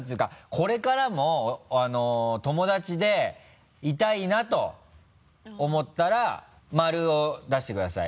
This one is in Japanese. これからも友達でいたいなと思ったら○を出してください。